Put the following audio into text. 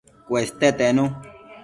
Cueste tenu